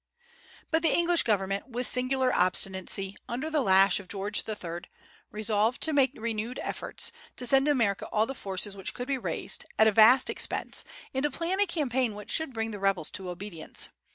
But the English government, with singular obstinacy, under the lash of George III., resolved to make renewed efforts, to send to America all the forces which could be raised, at a vast expense, and to plan a campaign which should bring the rebels to obedience.